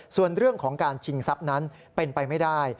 ส่วนเรื่องของการชิงทรัพย์นั้นเป็นไปไม่ได้